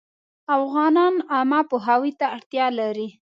افغانان عامه پوهاوي ته اړتیا لري